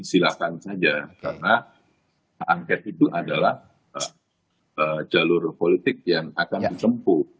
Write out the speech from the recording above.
silakan saja karena hak angket itu adalah jalur politik yang akan ditempuh